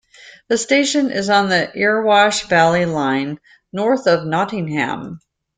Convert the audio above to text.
The station is on the Erewash Valley Line north of Nottingham.